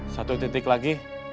satu titik lagi